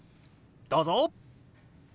どうぞ！